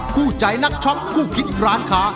คู่ใจนักช็อคคู่คิดร้านค้า